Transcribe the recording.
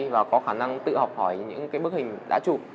và có khả năng tự học hỏi những cái bức hình đã chụp